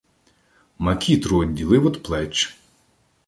Макітру одділив од плеч.